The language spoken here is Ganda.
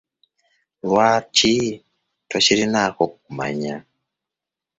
Lwaki tokirinaako kumanya?